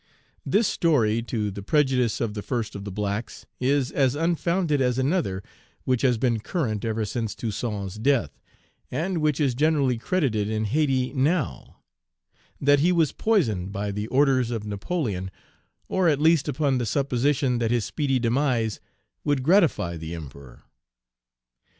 This story to the prejudice of "the first of the blacks" is as unfounded as another which has been current ever since Toussaint's death, and which is generally credited in Hayti now, that he was poisoned by the orders of Napoleon, or at least upon the supposition that his speedy demise would gratify the Emperor.